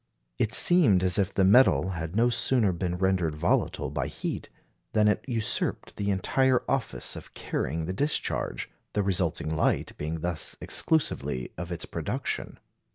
It seemed as if the metal had no sooner been rendered volatile by heat, than it usurped the entire office of carrying the discharge, the resulting light being thus exclusively of its production.